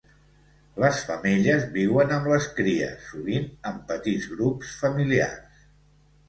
Les femelles viuen amb les cries, sovint en petits grups familiars.